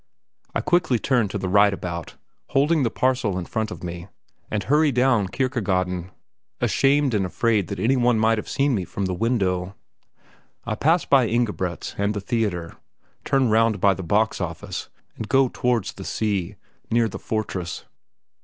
I quickly turn to the right about, holding the parcel in front of me, and hurry down Kirkegaden, ashamed and afraid that any one might have seen me from the window. I pass by Ingebret's and the theatre, turn round by the box office, and go towards the sea, near the fortress.